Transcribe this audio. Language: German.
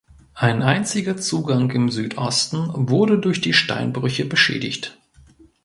Ein einziger Zugang im Südosten wurde durch die Steinbrüche beschädigt.